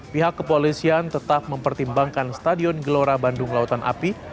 pihak kepolisian tetap mempertimbangkan stadion gelora bandung lautan api